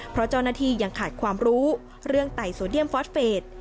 เพราะเจ้าหน้าที่ยังขาดความรู้เรื่องไตโซเดียมฟอสเฟส